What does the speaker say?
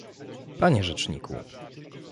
Panie rzeczniku!